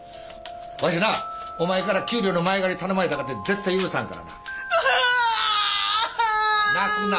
わしなお前から給料の前借り頼まれたかて絶対許さんからな。泣くな。